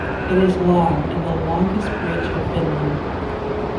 It is long and the longest bridge of Finland.